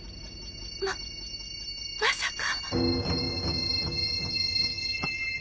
ままさか！？